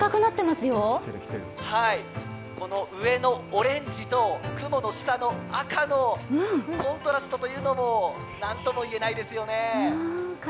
この上のオレンジと雲の下の赤のコントラストも何とも言えないですよね。